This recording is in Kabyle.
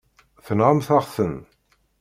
Tenɣamt-aɣ-ten.